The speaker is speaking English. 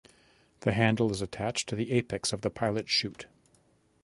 The handle is attached to the apex of the pilot chute.